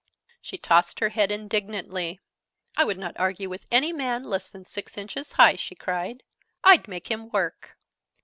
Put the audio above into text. She tossed her head indignantly. "I would not argue with any man less than six inches high!" she cried. "I'd make him work!"